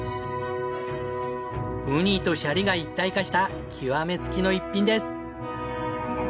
ウニとシャリが一体化した極めつきの逸品です。